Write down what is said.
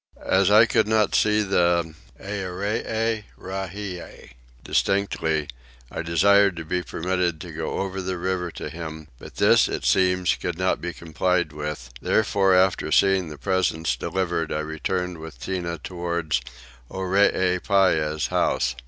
As I could not see the Earee Rahie distinctly I desired to be permitted to go over the river to him; but this, it seems, could not be complied with: therefore after seeing the presents delivered I returned with Tinah towards Oreepyah's house.